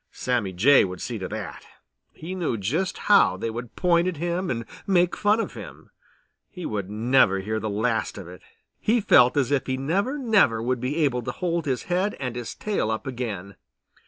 Sammy Jay would see to that. He knew just how they would point at him and make fun of him. He would never hear the last of it. He felt as if he never, never would be able to hold his head and his tail up again.